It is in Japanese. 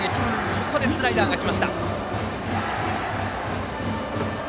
ここでスライダーがきました。